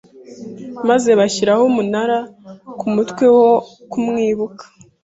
maze bashyiraho umunara ku mutwe wo kumwibuka